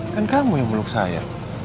kan kamu yang meluk saya